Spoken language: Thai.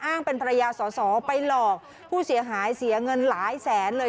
เป็นภรรยาสอสอไปหลอกผู้เสียหายเสียเงินหลายแสนเลย